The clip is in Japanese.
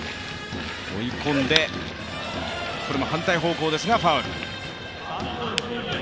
追い込んで、これも反対方向ですがファウル。